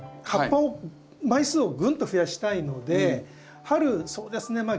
葉っぱを枚数をぐんと増やしたいので春そうですね